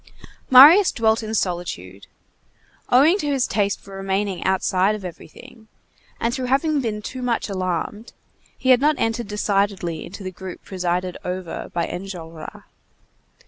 Marius dwelt in solitude. Owing to his taste for remaining outside of everything, and through having been too much alarmed, he had not entered decidedly into the group presided over by Enjolras.